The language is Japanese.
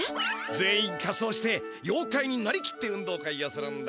全員かそうしてようかいになりきって運動会をするんだ。